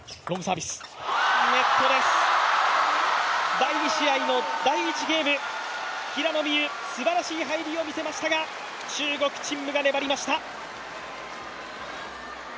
第２試合の第１ゲーム、平野美宇、すばらしい入りを見せましたが、中国・陳夢が粘りました。